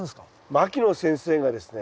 牧野先生がですね